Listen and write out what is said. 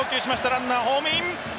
ランナーはホームイン！